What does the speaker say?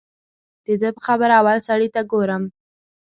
د ده په خبره اول سړي ته ګورم.